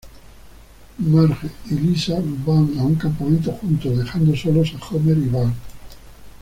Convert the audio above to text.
Marge y Lisa van a un campamento juntos, dejando solos a Homer y Bart.